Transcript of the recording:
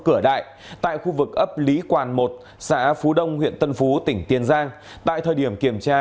cửa đại tại khu vực ấp lý quản một xã phú đông huyện tân phú tỉnh tiền giang tại thời điểm kiểm tra